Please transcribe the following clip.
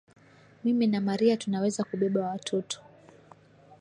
Mimi na mariah tunaweza kubeba watoto